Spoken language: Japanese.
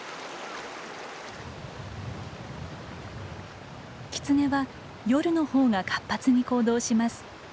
キツネは夜のほうが活発に行動します。